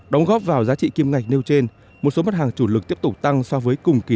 đóng góp vào giá trị kim ngạch nêu trên một số mặt hàng chủ lực tiếp tục tăng so với cùng kỳ